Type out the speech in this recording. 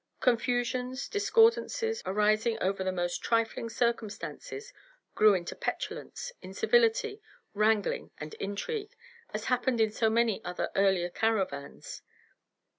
Confusions, discordances, arising over the most trifling circumstances, grew into petulance, incivility, wrangling and intrigue, as happened in so many other earlier caravans.